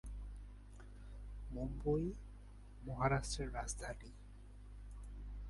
মুম্বই মহারাষ্ট্রের রাজধানী।